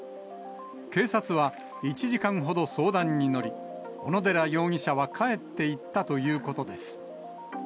警察は１時間ほど相談に乗り、小野寺容疑者は帰っていったということです。